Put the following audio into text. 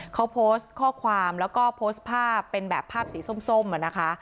เขาโพสต์ข้อความแล้วก็โพสต์ภาพเป็นแบบภาพสีส้มนะคะ